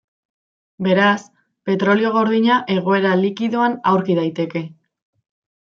Beraz, petrolio gordina egoera likidoan aurki daiteke.